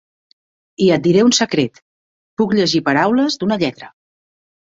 I et diré un secret: puc llegir paraules d'una lletra!